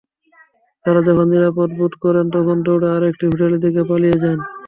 তাঁরা যখন নিরাপদ বোধ করেন, তখন দৌড়ে আরেকটি হোটেলের দিকে পালিয়ে যান।